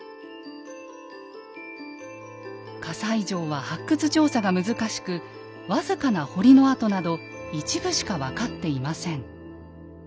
西城は発掘調査が難しく僅かな堀の跡など一部しか分かっていません。